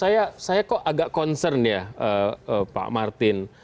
saya kok agak concern ya pak martin